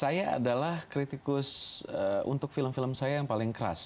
saya adalah kritikus untuk film film saya yang paling keras